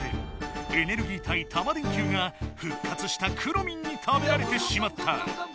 エネルギー体「タマ電Ｑ」がふっ活したくろミンに食べられてしまった。